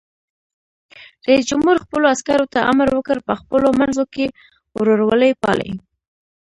رئیس جمهور خپلو عسکرو ته امر وکړ؛ په خپلو منځو کې ورورولي پالئ!